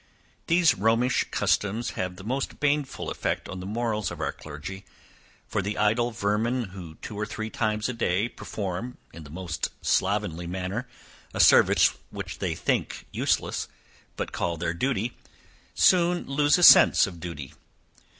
These Romish customs have the most baneful effect on the morals of our clergy; for the idle vermin who two or three times a day perform, in the most slovenly manner a service which they think useless, but call their duty, soon lose a sense of duty.